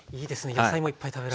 野菜もいっぱい食べられる。